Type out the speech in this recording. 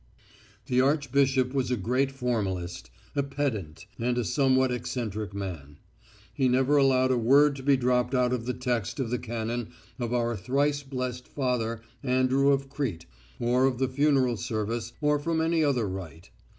The archbishop was a great formalist, a pedant, and a somewhat eccentric man. He never allowed a word to be dropped out of the text of the canon of our thrice blessed Father Andrew of Crete, or from the funeral service or from any other rite.